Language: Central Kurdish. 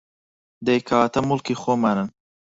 دەی کەواتە موڵکی خۆمانن